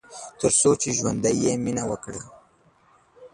تر څو چې ژوندی يې ، مينه وکړه